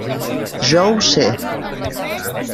Jo ho sé.